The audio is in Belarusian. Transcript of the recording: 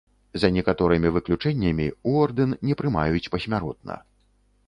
За некаторымі выключэннямі, у ордэн не прымаюць пасмяротна.